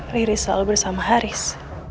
riri selalu bersama haris